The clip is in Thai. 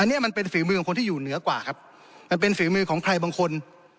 อันนี้มันเป็นฝีมือของคนที่อยู่เหนือกว่าครับมันเป็นฝีมือของใครบางคน